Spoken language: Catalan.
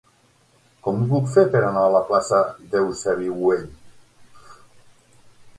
Com ho puc fer per anar a la plaça d'Eusebi Güell?